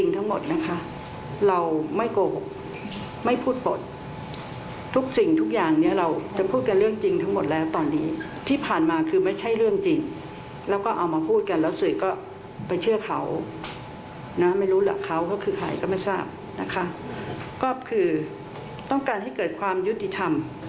ต้องการให้เกิดความยุติธรรม